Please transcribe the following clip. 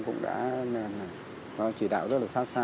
cũng đã có chỉ đạo rất là xa xa